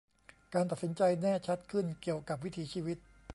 การตัดสินใจแน่ชัดขึ้นเกี่ยวกับวิถีชีวิต